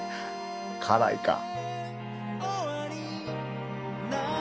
辛いか。